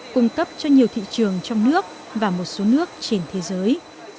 cung cấp cho nhiều thị trường trong nước và một số nước trên thế giới